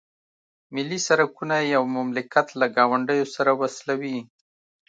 ملي سرکونه یو مملکت له ګاونډیو سره وصلوي